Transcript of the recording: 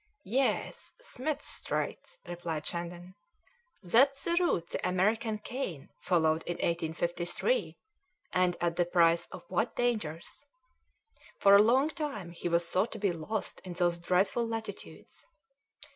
"Yes, Smith's Straits," replied Shandon, "that's the route the American Kane followed in 1853, and at the price of what dangers! For a long time he was thought to be lost in those dreadful latitudes!